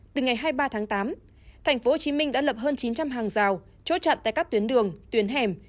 từ ngày hai mươi ba tháng tám tp hcm đã lập hơn chín trăm linh hàng rào chốt chặn tại các tuyến đường tuyến hẻm